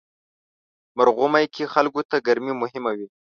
مرغومی کې خلکو ته ګرمي مهمه وي.